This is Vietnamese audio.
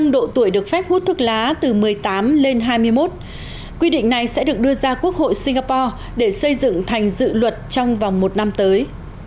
độ tuổi được phép hút thuốc lá từ một mươi tám hai mươi một tuổi quy định này sẽ được đưa ra quốc hội singapore để xây dựng thành dự luật trong vòng một năm tới